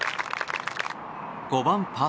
５番、パー